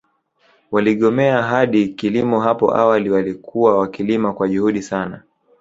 Waligomea hadi kilimo hapo awali walikuwa wakilima kwa juhudi sana